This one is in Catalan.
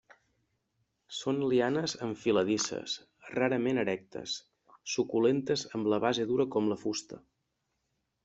Són lianes enfiladisses, rarament erectes, suculentes amb la base dura com la fusta.